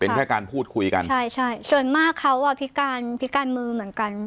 แค่การพูดคุยกันใช่ใช่ส่วนมากเขาอ่ะพิการพิการมือเหมือนกัน